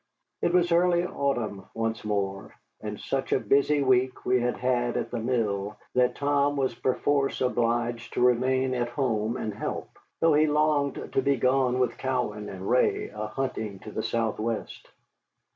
It was early autumn once more, and such a busy week we had had at the mill, that Tom was perforce obliged to remain at home and help, though he longed to be gone with Cowan and Ray a hunting to the southwest.